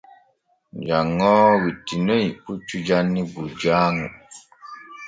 Janŋoowo wittinoy puccu janni bujjaaŋu.